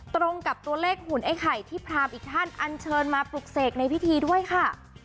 ตรงกับตัวเลขหุ่นไอ้ไข่ที่พรามอีกท่านอันเชิญมาปลุกเสกในพิธีด้วยค่ะ